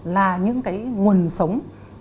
là những cái nguồn sống